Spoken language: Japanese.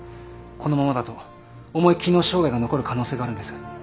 このままだと重い機能障害が残る可能性があるんです。